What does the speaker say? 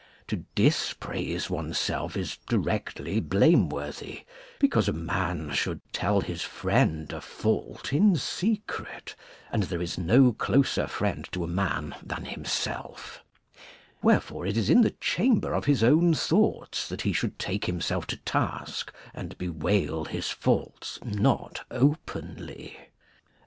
To dispraise one's self is directly blameworthy, because a man should tell his friend of ^30]] a fault in secret, and there is no closer friend to a man than himself; wherefore it is in the chamber of his own thoughts that he should take himself to task and bewail his faults, not openly.